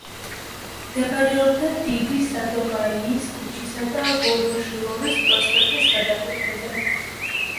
მდებარეობდა დიდი სადოვაიის ქუჩისა და ვოროშილოვის პროსპექტის გადაკვეთაზე.